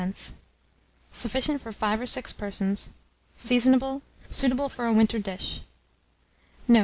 Sufficient for 5 or 6 persons. Seasonable. Suitable for a winter dish.